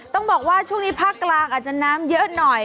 ต้องบอกว่าช่วงนี้ภาคกลางอาจจะน้ำเยอะหน่อย